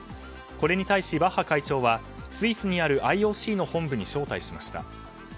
これに対しバッハ会長はスイスにあるＩＯＣの本部に招待しました。